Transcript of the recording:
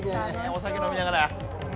お酒飲みながら。